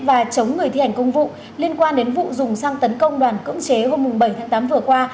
và chống người thi hành công vụ liên quan đến vụ dùng xăng tấn công đoàn cưỡng chế hôm bảy tháng tám vừa qua